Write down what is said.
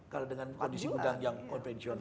kalau dengan kondisi udang yang konvensional